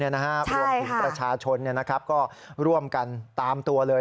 ร่วมกับประชาชนนะครับก็ร่วมกันตามตัวเลย